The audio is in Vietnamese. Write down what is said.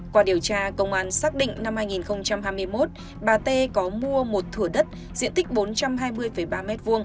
qua điều tra công an xác định năm hai nghìn hai mươi một bà tê có mua một thửa đất diện tích bốn trăm hai mươi ba m hai